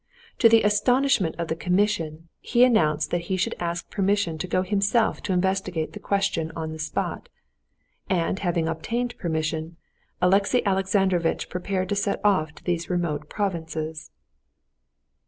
To the astonishment of the commission, he announced that he should ask permission to go himself to investigate the question on the spot. And having obtained permission, Alexey Alexandrovitch prepared to set off to these remote provinces.